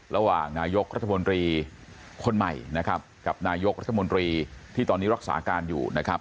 ระหว่างนายกรัฐมนตรีคนใหม่นะครับกับนายกรัฐมนตรีที่ตอนนี้รักษาการอยู่นะครับ